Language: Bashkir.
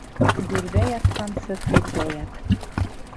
Гүрҙә ятҡансы түрҙә ят.